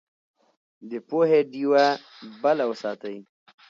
د پوهې ډيوه بله وساتئ.